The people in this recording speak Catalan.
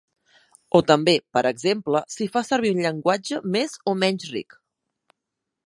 O també, per exemple, si fa servir un llenguatge més o menys ric.